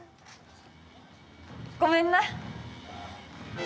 ごめんな。